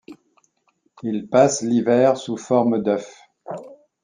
Il passe l'hiver sous forme d'œuf.